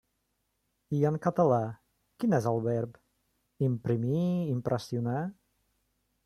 I en català, quin és el verb: imprimir, impressionar?